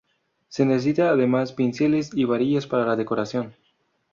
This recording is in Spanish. Se necesita además pinceles y varillas para la decoración.